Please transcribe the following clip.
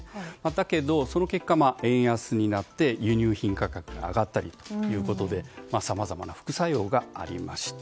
だけど、その結果円安になって輸入品価格が上がったりということでさまざまな副作用がありました。